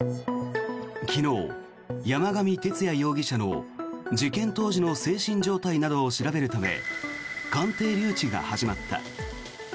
昨日、山上徹也容疑者の事件当時の精神状態などを調べるため鑑定留置が始まった。